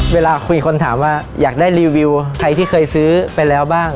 เวลาคุยคนถามว่าอยากได้รีวิวใครที่เคยซื้อไปแล้วบ้าง